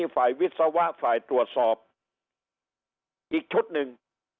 ฝ่ายวิศวะฝ่ายตรวจสอบอีกชุดหนึ่ง